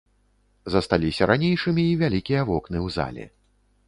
Засталіся ранейшымі і вялікія вокны ў зале.